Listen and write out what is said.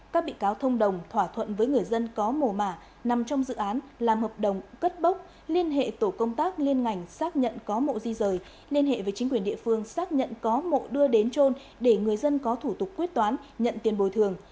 các bị cáo thông đồng thỏa thuận với người dân có mồ mả nằm trong dự án làm hợp đồng cất bốc liên hệ tổ công tác liên ngành xác nhận có mộ di rời liên hệ với chính quyền địa phương xác nhận có mộ đưa đến trôn để người dân có thủ tục quyết toán nhận tiền bồi thường